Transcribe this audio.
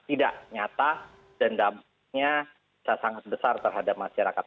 tidak nyata dan dampaknya bisa sangat besar terhadap masyarakat